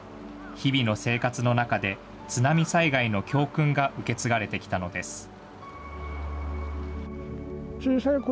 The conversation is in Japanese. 日々の生活の中で津波災害の教訓が受け継がれてきたのです。